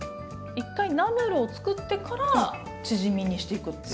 一回ナムルを作ってからチヂミにしていくっていう。